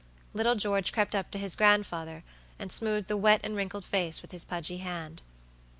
Little George crept up to his grandfather, and smoothed the wet and wrinkled face with his pudgy hand.